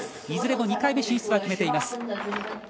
いずれも２回目進出は決めています。